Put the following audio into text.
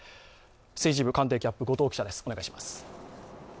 政治部官邸キャップ後藤記者です